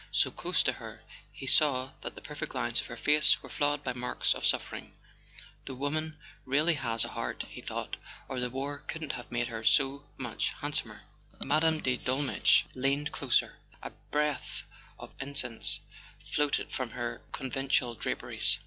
So close to her, he saw that the perfect lines of her face were flawed by marks of suffering. "The woman really has A SON AT THE FRONT a heart," he thought, "or the war couldn't have made her so much handsomer." Mme. de Dolmetsch leaned closer: a breath of in¬ cense floated from her conventual draperies.